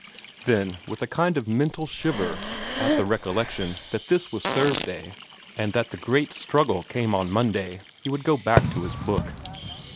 Then, with a kind of mental shiver at the recollection that this was Thursday, and that the great struggle came on Monday, he would go back to his book.